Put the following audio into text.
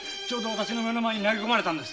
私の目の前に投げ込まれたんです。